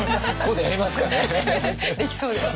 できそうです。